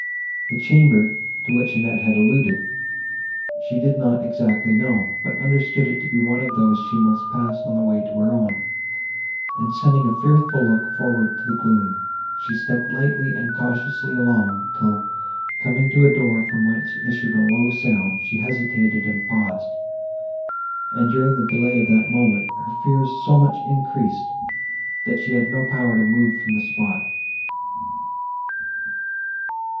The chamber, to which Annette had alluded, she did not exactly know, but understood it to be one of those she must pass in the way to her own; and, sending a fearful look forward into the gloom, she stepped lightly and cautiously along, till, coming to a door, from whence issued a low sound, she hesitated and paused; and, during the delay of that moment, her fears so much increased, that she had no power to move from the spot.